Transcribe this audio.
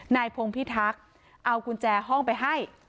นายพงพิทักษ์เอากุญแจห้องไปให้